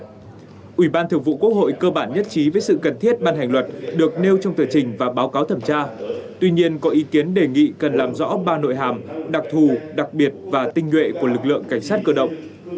trong đó ủy ban thường vụ quốc hội cơ bản nhất trí với sự cần thiết ban hành luật được nêu trong tờ trình và báo cáo thẩm tra tuy nhiên có ý kiến đề nghị cần làm rõ ba nội hàm đặc thù đặc biệt và tinh nhuệ của lực lượng cảnh sát cơ động